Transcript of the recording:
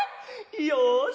よし。